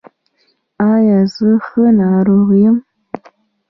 ایا زه ښه ناروغ یم؟